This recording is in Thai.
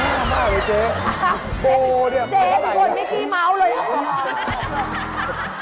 โบ้เนี่ยมันเท่าไรเนี่ยเจ๊ควรไม่ที่เมาเลย